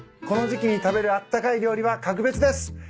この時季に食べるあったかい料理は格別です。